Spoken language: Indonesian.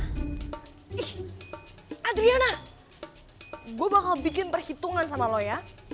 ih adriana gue bakal bikin perhitungan sama lo ya